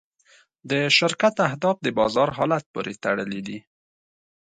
د شرکت اهداف د بازار حالت پورې تړلي دي.